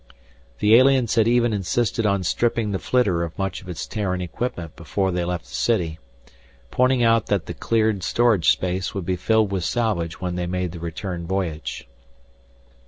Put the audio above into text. The aliens had even insisted on stripping the flitter of much of its Terran equipment before they left the city, pointing out that the cleared storage space would be filled with salvage when they made the return voyage.